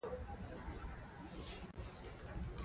داخلي نظارت د تېروتنو مخه نیسي.